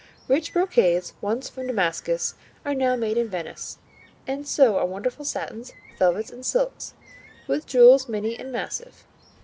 Rich brocades, once from Damascus, are now made in Venice; and so are wonderful satins, velvets and silks, with jewels many and massive.